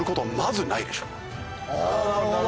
あなるほど。